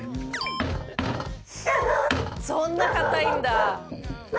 そんな硬いんだ。